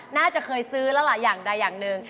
น่าจะเคยซื้อแล้วหล่ะอย่างนึง